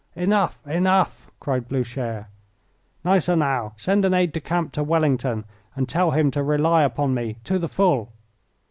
"Enough! enough!" cried Blucher. "Gneisenau, send an aide de camp to Wellington and tell him to rely upon me to the full.